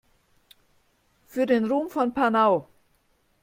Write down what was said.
Für den Ruhm von Panau!